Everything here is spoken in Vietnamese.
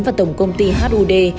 và tổng công ty hud